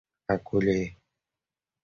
acolher